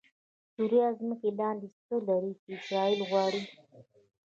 سوریه ځمکې لاندې څه لري چې اسرایل غواړي؟😱